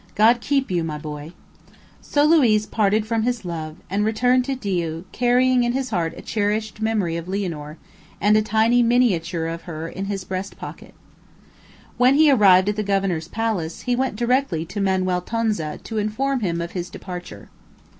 "God keep you, my boy." So Luiz parted from his love, and returned to Diu, carrying in his heart a cherished memory of Lianor, and a tiny miniature of her in his breast pocket. When he arrived at the governor's palace, he went directly to Manuel Tonza, to inform him of his departure.